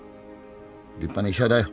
立派な医者だよ。